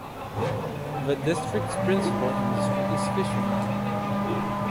The district's principal industry is fishing.